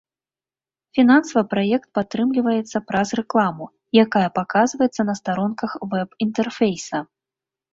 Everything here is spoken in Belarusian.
Фінансава праект падтрымліваецца праз рэкламу, якая паказваецца на старонках веб-інтэрфейса.